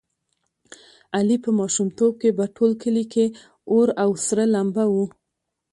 علي په ماشومتوب کې په ټول کلي کې اور او سره لمبه و.